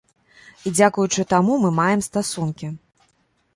І дзякуючы таму мы маем стасункі.